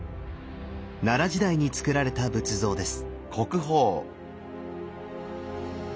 奈良時代につくられた仏像です。